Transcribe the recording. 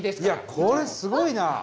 いやこれすごいな。